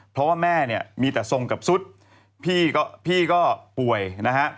เพราะว่าแม่มีแต่ทรงกับสุทธิ์พี่ก็ป่วยนะฮะ